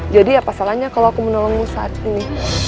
jadi apa salahnya kalau aku menolongmu saat ini